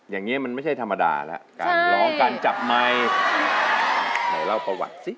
อย่างนี้มันไม่ใช่ธรรมดาแล้วการร้องการจับไมค์ไหนเล่าประวัติสิ